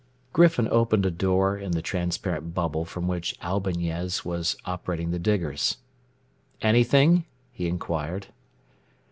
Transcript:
_Griffin opened a door in the transparent bubble from which Albañez was operating the diggers. "Anything?" he inquired.